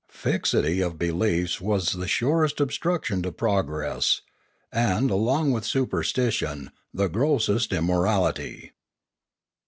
Fixity of be liefs was the surest obstruction to progress, and, along with all superstition, the grossest immorality.